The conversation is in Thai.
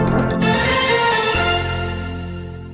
โปรดติดตามตอนต่อไป